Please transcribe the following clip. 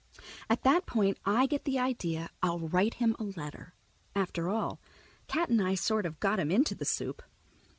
At that point I get the idea I'll write him a letter. After all, Cat and I sort of got him into the soup.